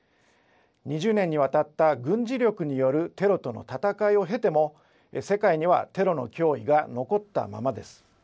２０年にわたった軍事力によるテロとの戦いを経ても世界にはテロの脅威が残ったままです。